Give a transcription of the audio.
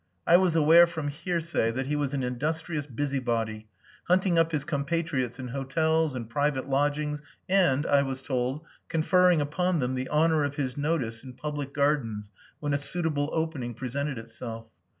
I was aware from hearsay that he was an industrious busy body, hunting up his compatriots in hotels, in private lodgings, and I was told conferring upon them the honour of his notice in public gardens when a suitable opening presented itself.